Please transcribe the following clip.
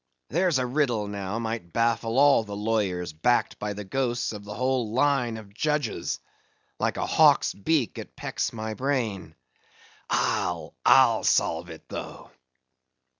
—There's a riddle now might baffle all the lawyers backed by the ghosts of the whole line of judges:—like a hawk's beak it pecks my brain. I'll, I'll solve it, though!"